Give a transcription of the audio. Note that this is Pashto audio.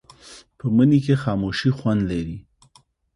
په مني کې خاموشي خوند لري